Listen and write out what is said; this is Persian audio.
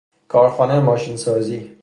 کارخانه ماشین سازی